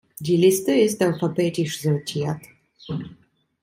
Die Liste ist alphabetisch sortiert.